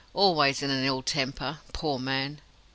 "Always in an ill temper." "Poor man!